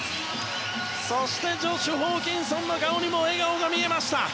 そしてジョシュ・ホーキンソンの顔にも笑顔が見えました。